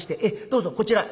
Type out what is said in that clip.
どうぞこちら」。